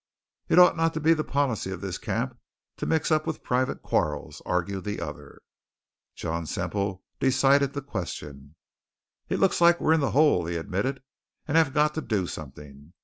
"It ought not to be the policy of this camp to mix up with private quarrels," argued the other. John Semple decided the question. "It looks like we're in the hole," he admitted, "and have got to do something.